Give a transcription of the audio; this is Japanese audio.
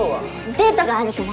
デートがあるから。